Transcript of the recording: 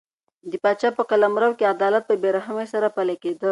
د پاچا په قلمرو کې عدالت په بې رحمۍ سره پلی کېده.